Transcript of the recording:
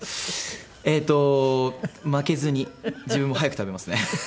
えっと負けずに自分も早く食べますね。